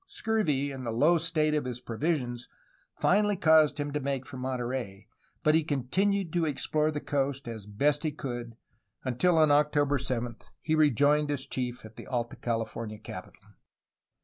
Scurvy and the low state of his provisions, finally caused him to make for Monterey, but he continued to explore the coast as best he could, until on October 7 he rejoined his chief at the Alta California capital.